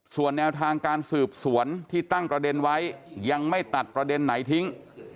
ส่วนแนวทางการสืบสวนที่ตั้งประเด็นไว้ยังไม่ตัดประเด็นไหนทิ้ง